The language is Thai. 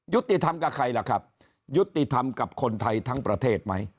ยุติธรรมกับใครล่ะครับยุติธรรมกับคนไทยทั้งประเทศไหม